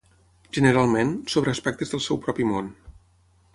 Generalment, sobre aspectes del seu propi món.